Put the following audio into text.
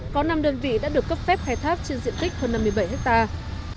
có năm đơn vị đã được cấp phép khai thác trên diện tích hơn năm mươi bảy hectare